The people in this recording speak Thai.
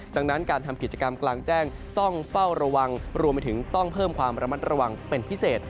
ดังนั้นการทำกิจกรรมกลางแจ้งต้องเฝ้าระวังรวมไปถึงต้องเพิ่มความระมัดระวังเป็นพิเศษ